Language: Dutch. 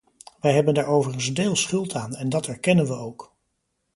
Wij hebben daar overigens deels schuld aan, en dat erkennen we ook.